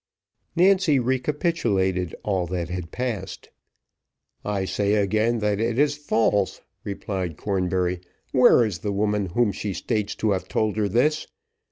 Nancy recapitulated all that had passed. "I say again, that it is false," replied Cornbury. "Where is the woman whom she states to have told her this?